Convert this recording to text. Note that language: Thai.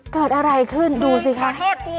เกิดอะไรขึ้นดูสิคะ